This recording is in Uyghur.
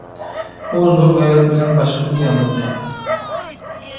ئۇ زور غەيرەت بىلەن باشقىدىن ياندۇردى.